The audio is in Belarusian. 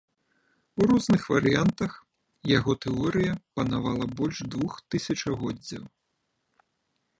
У розных варыянтах яго тэорыя панавала больш двух тысячагоддзяў.